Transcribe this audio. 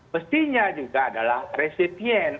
mestinya juga adalah resipien